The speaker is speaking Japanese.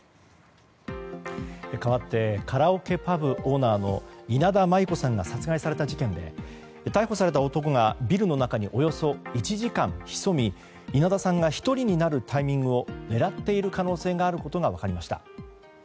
かわってカラオケパブオーナーの稲田真優子さんが殺害された事件で逮捕された男がビルの中におよそ１時間潜み稲田さんが１人になるタイミングを狙っている可能性があることが分かりました。